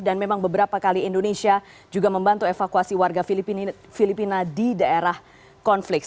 dan memang beberapa kali indonesia juga membantu evakuasi warga filipina di daerah konflik